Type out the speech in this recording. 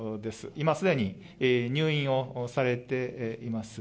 今すでに入院をされています。